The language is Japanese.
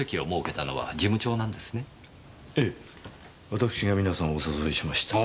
私が皆さまをお誘いしました。